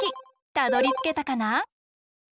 たどりつけたかな？